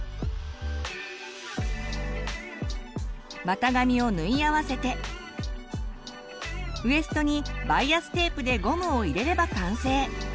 股上を縫い合わせてウエストにバイアステープでゴムを入れれば完成。